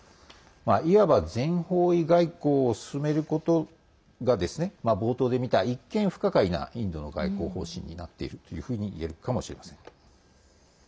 いわば全方位外交を進めることが冒頭で見た一見不可解なインドの外交方針になっているといえるかもしれません。